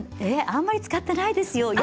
あまり使っていないですよ。